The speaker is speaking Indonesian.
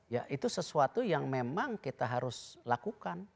ya itu sesuatu yang memang kita harus lakukan